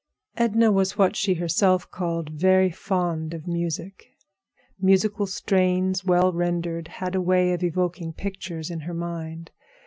Edna was what she herself called very fond of music. Musical strains, well rendered, had a way of evoking pictures in her mind.